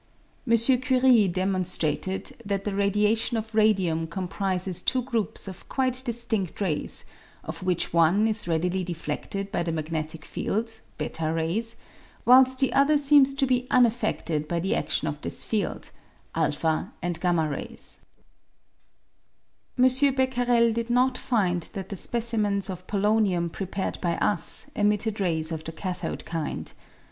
M. Curie demonstrated that the radiation of radium comprises two groups of quite distind rays, of which one is readily defleded by the magnetic field (i8 rays), whilst the other seems to be unaffeded by the adion of this field (o and Y raj's). M. Becquerel did not find that the specimens of polonium prepared by us emitted rays of the cathode kind.